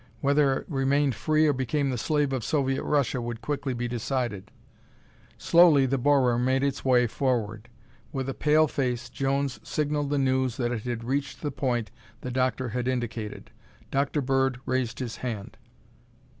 Whether it remained free or became the slave of Soviet Russia would quickly be decided. Slowly the borer made its way forward. With a pale face, Jones signalled the news that it had reached the point the doctor had indicated. Dr. Bird raised his hand.